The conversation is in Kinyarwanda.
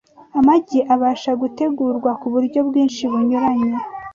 Amagi abasha gutegurwa ku buryo bwinshi bunyuranye.